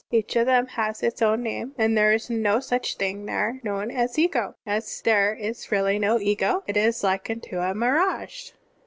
Each of them has its own name, and there is no such thing there known as ego. As there is really no ego, it is like unto a mirage."'